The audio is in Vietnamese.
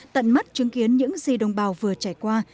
tận mắt chứng kiến những gì đồng bào vừa trải qua